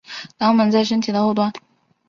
肛门在身体的后端。